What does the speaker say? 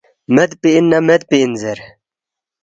میدپی اِن نہ میدپی اِن زیر